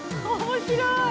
面白い。